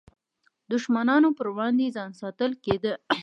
دښمنانو پر وړاندې ځان ساتل کېده.